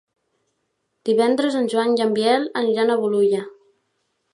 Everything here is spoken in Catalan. Divendres en Joan i en Biel iran a Bolulla.